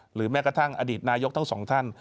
แม้กระทั่งอดีตนายกทั้งสองท่าน